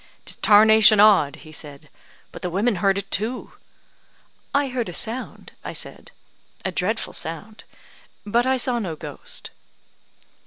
"'Tis tarnation odd," he said; "but the women heard it too." "I heard a sound," I said, "a dreadful sound, but I saw no ghost."